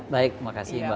baik terima kasih mbak frida